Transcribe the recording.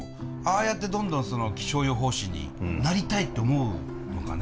ああやってどんどん気象予報士になりたいって思うのかね